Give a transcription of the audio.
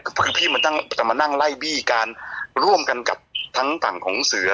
คือพี่มันต้องจะมานั่งไล่บี้กันร่วมกันกับทั้งฝั่งของเสือ